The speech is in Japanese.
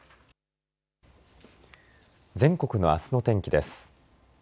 全国のあすの天気です。